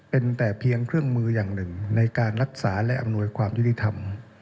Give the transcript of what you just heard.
เป็นแต่เพียงเครื่องมืออย่างหนึ่งในการรักษาและอำนวยความยุติธรรม